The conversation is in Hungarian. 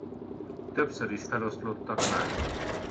Többször is feloszlottak már.